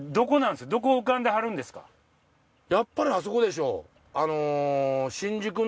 やっぱりあそこでしょ。